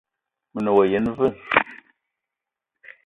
Me ne wa yene aveu?